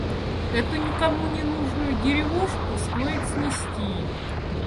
Эту никому ненужную деревушку стоит снести.